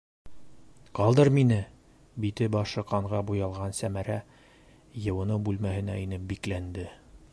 Ҡалдыр мине, - бите-башы ҡанға буялған Сәмәрә йыуыныу бүлмәһенә инеп бикләнде.